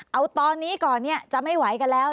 เอาตอนนี้ก่อนจะไม่ไหวกันแล้ว